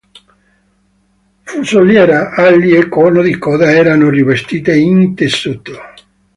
Fusoliera, ali e cono di coda erano rivestite in tessuto.